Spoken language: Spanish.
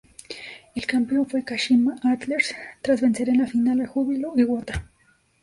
El campeón fue Kashima Antlers, tras vencer en la final a Júbilo Iwata.